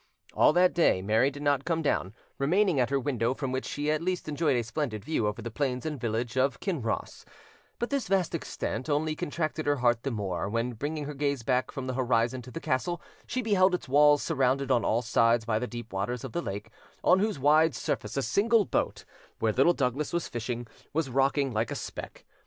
All that day Mary did not come down, remaining at her window, from which she at least enjoyed a splendid view over the plains and village of Kinross; but this vast extent only contracted her heart the more, when, bringing her gaze back from the horizon to the castle, she beheld its walls surrounded on all sides by the deep waters of the lake, on whose wide surface a single boat, where Little Douglas was fishing, was rocking like a speck.